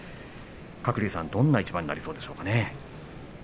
鶴竜さん、どんな一番になるでしょうか。